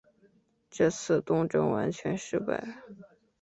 这次东征完全失败。